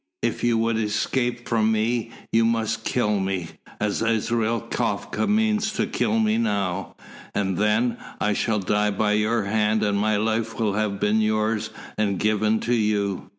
If you would escape from me, you must kill me, as Israel Kafka means to kill me now and then, I shall die by your hand and my life will have been yours and given to you.